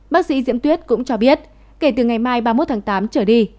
bác sĩ diễm tuyết cũng cho biết kể từ ngày mai ba mươi một tháng tám trở đi